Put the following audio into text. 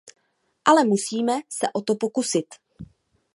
Ale musíme se o to pokusit.